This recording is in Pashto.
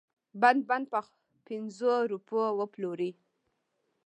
بند بند په پنځو روپو وپلوري.